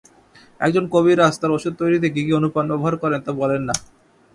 এক জন কবিরাজ তাঁর ওষুধ তৈরিতে কি কি অনুপান ব্যবহার করেন তা বলেন না!